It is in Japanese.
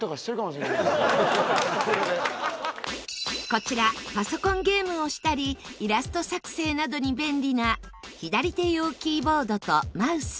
こちらパソコンゲームをしたりイラスト作成などに便利な左手用キーボードとマウス。